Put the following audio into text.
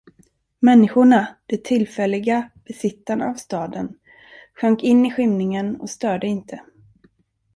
Människorna, de tillfälliga besittarna av staden, sjönk in i skymningen och störde inte.